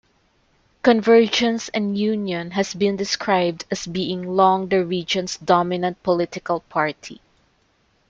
Convergence and Union has been described as being "long the region's dominant political party".